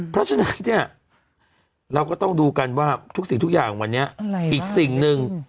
เพราะฉะนั้นเนี่ยเราก็ต้องดูกันว่าทุกสิ่งทุกอย่างวันนี้อีกสิ่งหนึ่ง